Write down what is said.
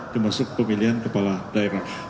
termasuk pemilihan kepala daerah